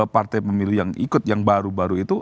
partai pemilih yang ikut yang baru baru itu